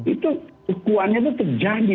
itu kekuannya terjadi